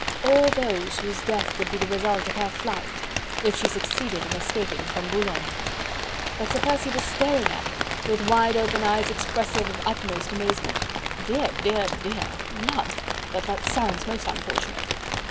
"All those whose death would be the result of her flight, if she succeeded in escaping from Boulogne..." But Sir Percy was staring at him, with wide open eyes expressive of utmost amazement. "Dear, dear, dear.... Lud! but that sounds most unfortunate..."